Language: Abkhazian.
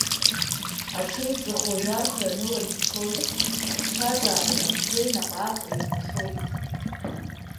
Аҽеиҵых уажә арха ианылан ицоит, аԥсҭазаареи аԥсреи наҟ-ааҟ еиҩнашоит.